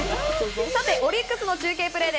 オリックスの中継プレー